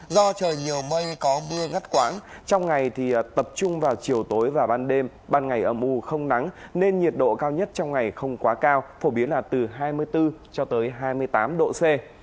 do trời nhiều mây có mưa ngắt quãng trong ngày thì tập trung vào chiều tối và ban đêm ban ngày ấm u không nắng nên nhiệt độ cao nhất trong ngày không quá cao phổ biến là từ hai mươi bốn cho tới hai mươi tám độ c